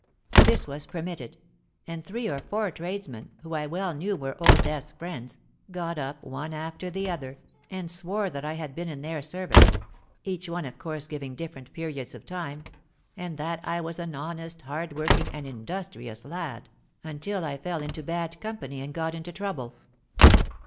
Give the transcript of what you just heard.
This was permitted; and three or four tradesmen, who I well knew were Old Death's friends, got up one after the other, and swore that I had been in their service (each one of course giving different periods of time), and that I was an honest, hard working, and industrious lad, until I fell into bad company and got into trouble.